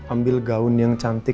ambil gaun yang cantik